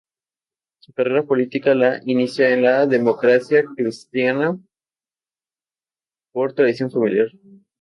Su carrera política la inicia en la Democracia Cristiana, por tradición familiar.